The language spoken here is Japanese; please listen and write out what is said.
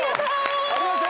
ありがとう！